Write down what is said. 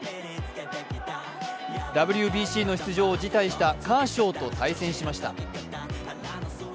ＷＢＣの出場を辞退したカーショウと対戦しました。